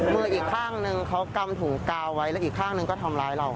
มืออีกข้างนึงเขากำถุงกาวไว้แล้วอีกข้างหนึ่งก็ทำร้ายเรา